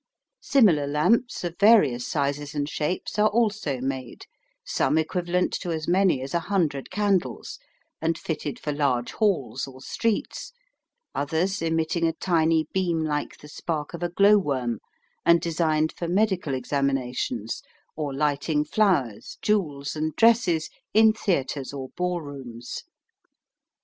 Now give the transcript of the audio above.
Similar lamps of various sizes and shapes are also made, some equivalent to as many as 100 candles, and fitted for large halls or streets, others emitting a tiny beam like the spark of a glow worm, and designed for medical examinations, or lighting flowers, jewels, and dresses in theatres or ball rooms.